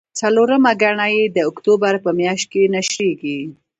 څلورمه ګڼه یې د اکتوبر په میاشت کې نشریږي.